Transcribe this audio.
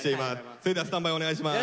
それではスタンバイお願いします。